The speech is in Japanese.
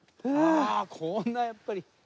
ああこんなやっぱり。